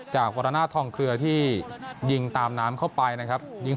วรรณาทองเคลือที่ยิงตามน้ำเข้าไปนะครับ